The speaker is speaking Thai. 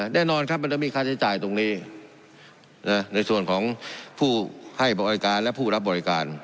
แน่นอนครับมันจะมีค่าใช้จ่ายตรงนี้ในส่วนของผู้ให้บริการและผู้รับบริการ